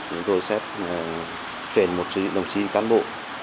chúng tôi sẽ chuyển một chữ đồng chí cán bộ